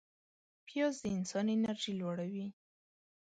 پیاز د انسان انرژي لوړوي